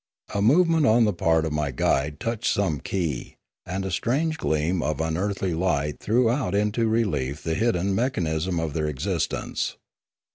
A movement on the part of my guide touched some key, and a strange gleam of un earthly light threw out into relief the hidden mechan ism of their existence.